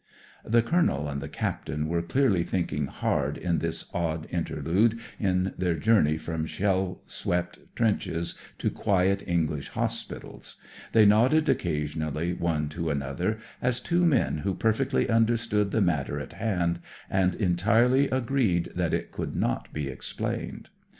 (The Colonel and the Captain were clearly thinking hard, in this odd inter lude in their journey from shell swept trenches to quiet English hospitals. They nodded occasionally one to another, as two men who perfectly understood the matter in hand, and entirely agreed that it could not be explained.)